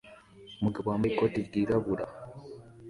Umugabo wambaye ikoti ryirabura